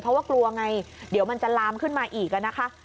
เพราะว่ากลัวไงเดี๋ยวมันจะลามขึ้นมาอีกนะคะ